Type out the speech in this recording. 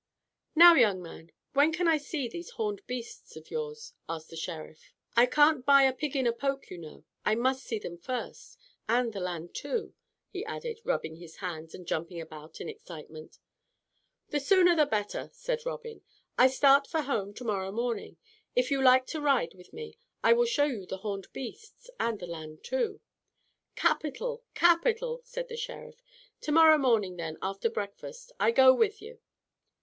"Now, young man, when can I see these horned beasts of yours?" asked the Sheriff. "I can't buy a pig in a poke, you know. I must see them first. And the land too, and the land too," he added, rubbing his hands, and jumping about in excitement. "The sooner the better," said Robin. "I start for home to morrow morning. If you like to ride with me I will show you the horned beasts and the land too." "Capital, capital," said the Sheriff. "To morrow morning then, after breakfast, I go with you.